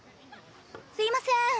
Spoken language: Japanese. すいません。